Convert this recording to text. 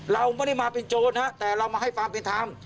เราไม่ได้มาเป็นโจรฮะแต่เรามาให้ความเป็นธรรม